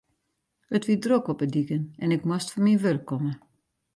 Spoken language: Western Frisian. It wie drok op de diken en ik moast fan myn wurk komme.